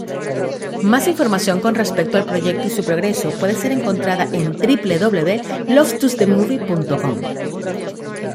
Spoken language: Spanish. Más información con respecto al proyecto y su progreso puede ser encontrada en www.loftusthemovie.com.